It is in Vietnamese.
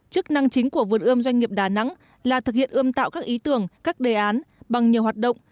chức năng chính của vườn ươm doanh nghiệp đà nẵng là thực hiện ươm tạo các ý tưởng các đề án bằng nhiều hoạt động